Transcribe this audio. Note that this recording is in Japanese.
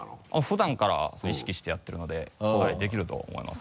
普段から意識してやってるのでできると思います。